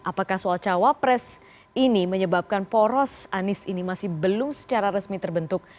apakah soal cawapres ini menyebabkan poros anies ini masih belum secara resmi terbentuk